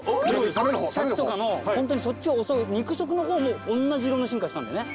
シャチとかホントにそっちを襲う肉食の方もおんなじ色の進化したんだよね。